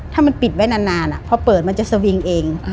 ถ้ามันปิดไว้นานพอเปิดมันจะสวิงเอง